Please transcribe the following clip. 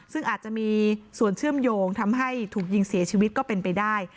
ซึ่งอาจจะมีส่วนเชื่อมโยงทำให้ถูกยิงเสียชีวิตก็เป็นไปได้